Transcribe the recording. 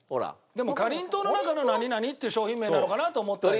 でもかりんとうの中の何何っていう商品名なのかなと思ったんで。